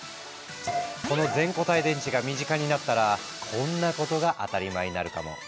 この全固体電池が身近になったらこんなことが当たり前になるかも。